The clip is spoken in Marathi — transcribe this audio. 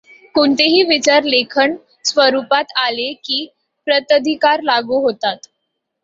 कोणतेही विचार लेखन स्वरूपात आले की प्रताधिकार लागू होतोच.